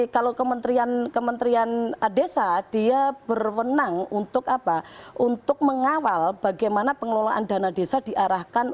kalau kementerian desa dia berwenang untuk mengawal bagaimana pengelolaan dana desa diarahkan